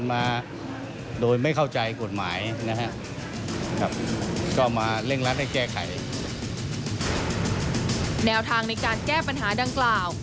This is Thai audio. แนวทางในการแก้ปัญหาดังกล่าว